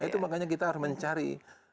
itu makanya kita harus mencari